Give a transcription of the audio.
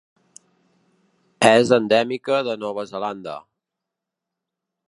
És endèmica de Nova Zelanda.